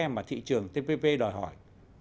mà thị trường tpp đòi hỏi